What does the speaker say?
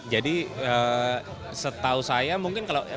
jadi setahu saya mungkin kalau